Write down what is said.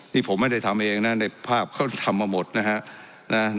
นี่ผมไม่ได้ทำเองนะในภาพเขาทำมาหมดนะฮะ